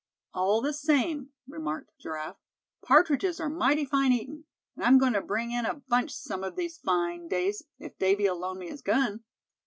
"All the same," remarked Giraffe, "partridges are mighty fine eating; and I'm going to bring in a bunch some of these fine days, if Davy'll loan me his gun."